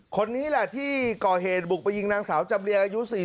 คนนี้แหละที่ก่อเหตุบุกไปยิงนางสาวจำเรียงอายุ๔๐